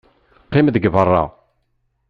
Qqim deg beṛṛa!